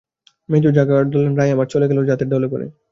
মেজো জা গান ধরলেন– রাই আমার চলে যেতে ঢলে পড়ে।